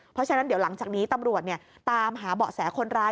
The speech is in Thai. เพราะฉะนั้นเดี๋ยวหลังจากนี้ตำรวจตามหาเบาะแสคนร้าย